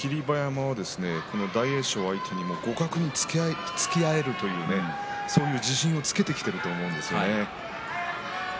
霧馬山は大栄翔相手に互角に突き合えるそういう自信をつけていると思います。